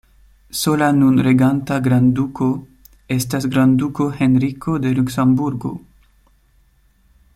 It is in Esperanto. Sola nun reganta grandduko estas grandduko Henriko de Luksemburgo.